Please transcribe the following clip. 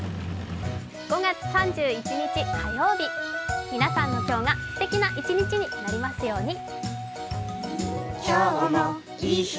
５月３１日、火曜日皆さんの今日がすてきな一日になりますように。